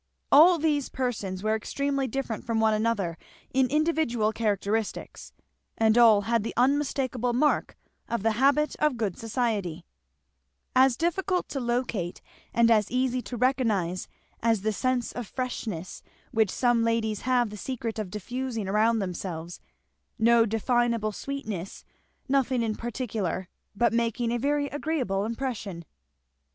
All these persons were extremely different from one another in individual characteristics, and all had the unmistakable mark of the habit of good society; as difficult to locate and as easy to recognize as the sense of freshness which some ladies have the secret of diffusing around themselves; no definable sweetness, nothing in particular, but making a very agreeable impression.